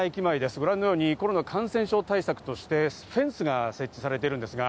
ご覧のようにコロナ感染症対策としてフェンスが設置されています。